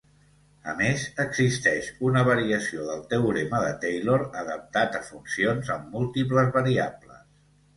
A més existeix una variació del teorema de Taylor adaptat a funcions amb múltiples variables.